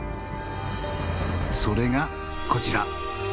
それがこちら。